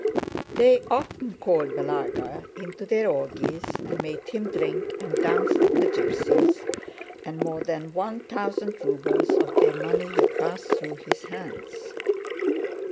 They often called Balagá into their orgies and made him drink and dance at the gypsies', and more than one thousand rubles of their money had passed through his hands.